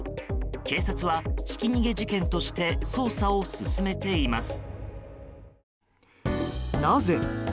警察はひき逃げ事件として捜査を進めています。